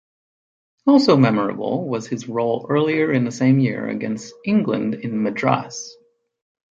Also memorable was his role earlier in the same year against England in Madras.